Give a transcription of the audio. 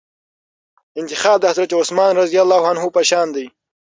انتخاب د حضرت عثمان رضي الله عنه په شان دئ.